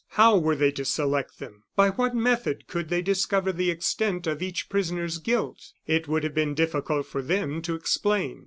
How were they to select them? By what method could they discover the extent of each prisoner's guilt? It would have been difficult for them to explain.